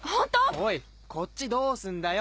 おいこっちどうすんだよ？